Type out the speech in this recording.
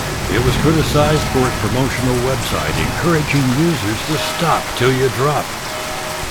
It was criticised for its promotional website encouraging users to shop 'til you drop.